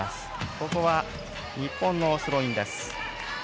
ここは日本のスローインです。